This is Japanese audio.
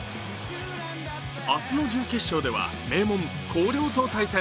明日の準決勝では、名門・広陵と対戦。